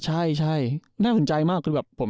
ใช่น่าสนใจมาก